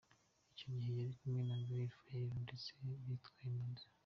Icyo gihe yari kumwe na Gaël Faye ndetse bitwaye neza.